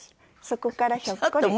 そこからひょっこり。